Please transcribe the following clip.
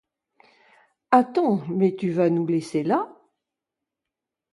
Attends mais tu vas nous laisser là ?